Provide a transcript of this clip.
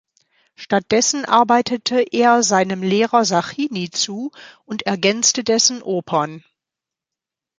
Stattdessen arbeitete er seinem Lehrer Sacchini zu und ergänzte dessen Opern.